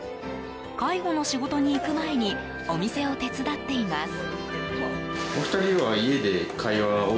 介護の仕事に行く前にお店を手伝っています。